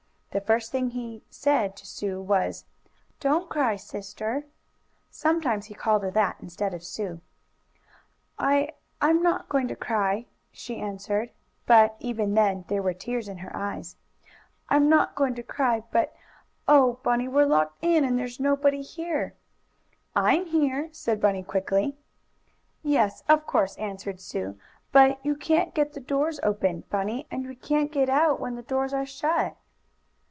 The first thing he said to Sue was: "Don't cry, Sister!" Sometimes he called her that instead of Sue. "I I'm not going to cry," Sue answered, but, even then, there were tears in her eyes. "I'm not going to cry, but oh, Bunny, we're locked in, and there's nobody here " "I'm here!" said Bunny quickly. "Yes, of course," answered Sue. "But you can't get the doors open, Bunny, and we can't get out when the doors are shut."